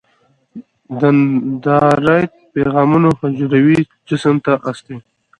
دندرایت پیغامونه حجروي جسم ته استوي.